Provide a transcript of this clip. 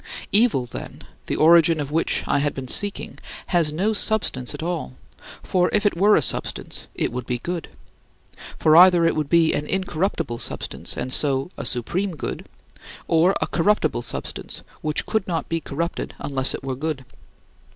Evil, then, the origin of which I had been seeking, has no substance at all; for if it were a substance, it would be good. For either it would be an incorruptible substance and so a supreme good, or a corruptible substance, which could not be corrupted unless it were good.